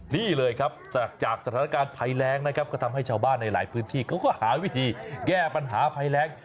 นี่เลยครับจากสถานการณ์ภัยแรงนะครับก็ทำให้ชาวบ้านในหลายพื้นที่เขาก็หาวิธีแก้ปัญหาภัยแรง